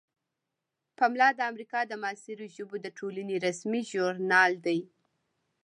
پملا د امریکا د معاصرو ژبو د ټولنې رسمي ژورنال دی.